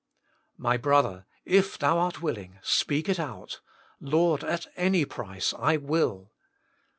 My brother, if thou art willing, speak it out :" Lord ! at any price, I will